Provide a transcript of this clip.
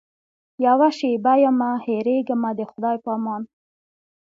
یوه شېبه یمه هېرېږمه د خدای په امان.